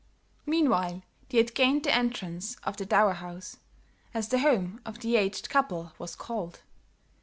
Meanwhile they had gained the entrance to the dower house, as the home of the aged couple was called.